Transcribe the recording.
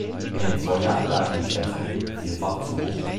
In den Vorjahren lagen die Schätzungen vielfach zu hoch.